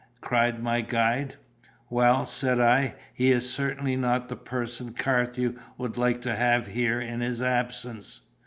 cried my guide. "Well," said I, "he is certainly not the person Carthew would like to have here in his absence."